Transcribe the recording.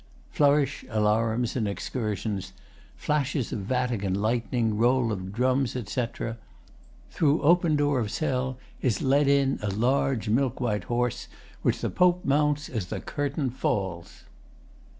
[Flourish, alarums and excursions, flashes of Vatican lightning, roll of drums, etc. Through open door of cell is led in a large milk white horse, which the POPE mounts as the Curtain falls.